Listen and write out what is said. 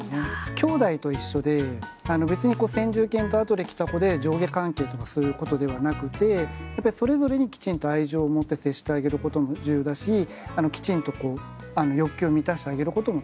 兄弟と一緒で別に先住犬と後で来た子で上下関係とかそういうことではなくてそれぞれにきちんと愛情を持って接してあげることも重要だしきちんと欲求を満たしてあげることも大切なんですね。